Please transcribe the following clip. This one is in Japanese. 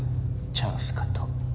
チャンスかと